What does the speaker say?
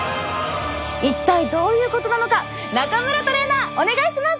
一体どういうことなのか中村トレーナーお願いします！